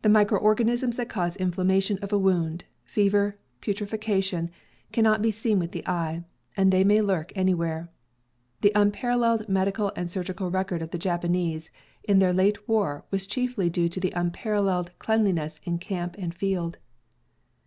The micro organisms that cause inflammation of a wound, fever, putrefaction, cannot be seen with the eye, and they may lurk anywhere. The unparalleled medical and surgical record of the Japanese in their late war was chiefly due to unparalleled cleanliness in camp and field.